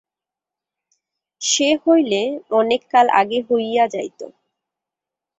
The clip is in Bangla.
সে হইলে অনেক কাল আগে হইয়া যাইত।